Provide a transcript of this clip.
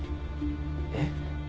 えっ？